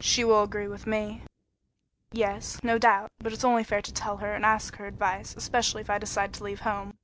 "She will agree with me." "Yes, no doubt; but it's only fair to tell her and ask her advice, especially if I decide to leave home."